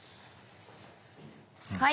はい。